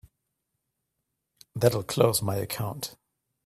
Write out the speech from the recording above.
That'll close my account.